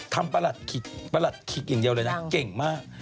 ประหลัดขิกประหลัดขิกอย่างเดียวเลยนะเก่งมาก